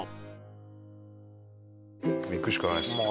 行くしかないですね。